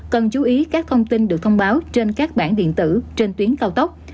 cần chú ý các thông tin được thông báo trên các bản điện tử trên tuyến cao tốc